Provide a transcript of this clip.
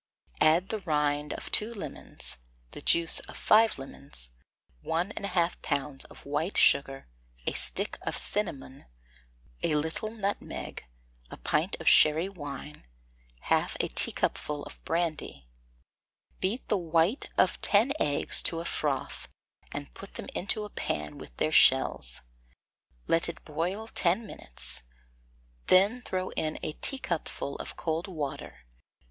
Add the rind of two lemons, the juice of five lemons, one and a half pounds of white sugar, a stick of cinnamon, a little nutmeg, a pint of sherry wine, half a teacupful of brandy; beat the white of ten eggs to a froth, and put them into the pan with their shells; let it boil ten minutes, when throw in a teacupful of cold water.